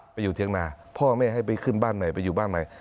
อยู่เถียงนาพ่อแม่ให้ไปขึ้นบ้านใหม่ไปอยู่บ้านใหม่